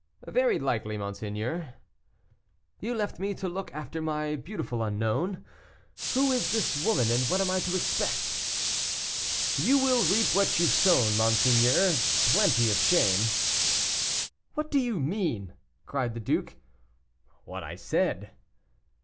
"Very likely, monseigneur." "You left me to look after my beautiful unknown. Who is this woman, and what am I to expect?" "You will reap what you have sown, monseigneur plenty of shame." "What do you mean?" cried the duke. "What I said."